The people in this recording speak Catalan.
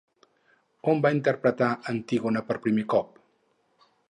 On va interpretar Antígona per primer cop?